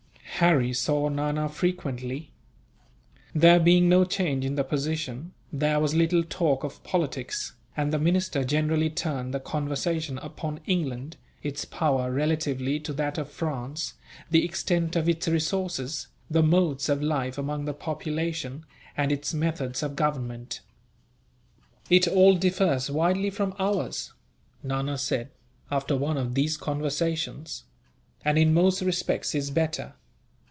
Harry saw Nana frequently. There being no change in the position, there was little talk of politics; and the minister generally turned the conversation upon England, its power relatively to that of France, the extent of its resources, the modes of life among the population, and its methods of government. "It all differs widely from ours," Nana said, after one of these conversations, "and in most respects is better.